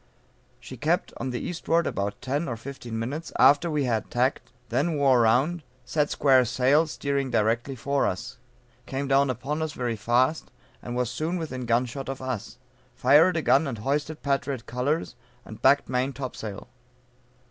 She kept on to the eastward about ten or fifteen minutes after we had tacked, then wore round, set square sail, steering directly for us, came down upon us very fast, and was soon within gun shot of us, fired a gun and hoisted patriot colors and backed main topsail.